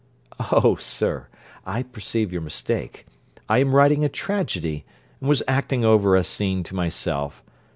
'Oh, sir, I perceive your mistake: I am writing a tragedy, and was acting over a scene to myself.